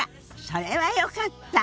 それはよかった。